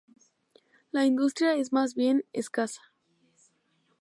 La industria es más bien escasa.